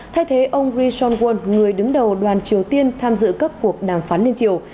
thay thế ông ri son won người đứng đầu đoàn triều tiên tham dự các cuộc đàm phán lên triều